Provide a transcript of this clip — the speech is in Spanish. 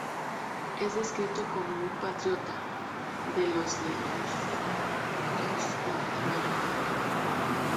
Es descrito como un patriota "de los del dos de Mayo".